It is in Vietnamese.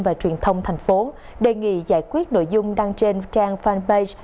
và truyền thông thành phố đề nghị giải quyết nội dung đăng trên trang fanpage